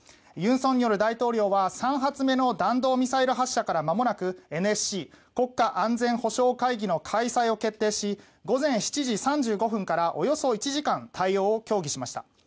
尹大統領は３発目の弾道ミサイル発射からまもなくＮＳＣ・国家安全保障会議の開催を決定し午前７時３５分からおよそ１時間対応を協議しました。